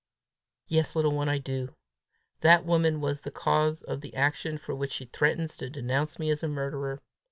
"Yes, little one, I do. That woman was the cause of the action for which she threatens to denounce me as a murderer.